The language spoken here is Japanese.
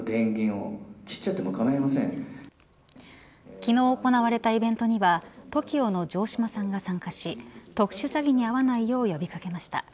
昨日、行われたイベントにはＴＯＫＩＯの城島さんが参加し特殊詐欺に遭わないよう呼び掛けました。